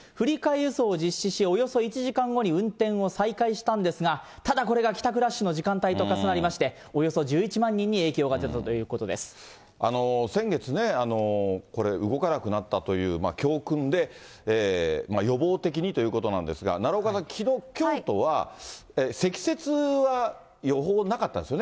輸送をじっしし、およそ１時間後に運転を再開したんですが、ただ、これが帰宅ラッシュの時間帯と重なりまして、およそ１１万人に影先月ね、動かなくなったという教訓で、予防的にということなんですが、奈良岡さん、きのう、京都は積雪は予報なかったんですね。